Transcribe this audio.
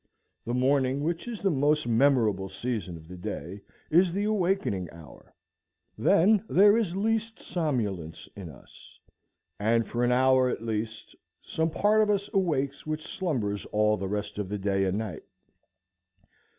The morning, which is the most memorable season of the day, is the awakening hour. Then there is least somnolence in us; and for an hour, at least, some part of us awakes which slumbers all the rest of the day and night.